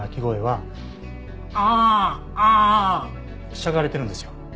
しゃがれているんですよ。